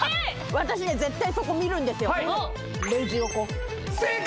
私ね絶対そこ見るんですよ正解！